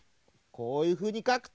こういうふうにかくと。